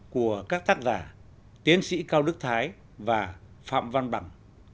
của các tác giả tiến sĩ cao đức thái và phạm văn bằng